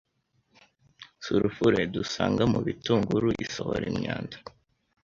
Sulfure dusanga mu bitunguru isohora imyanda